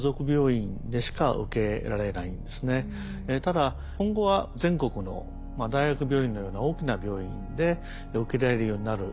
ただ今後は全国の大学病院のような大きな病院で受けられるようになる。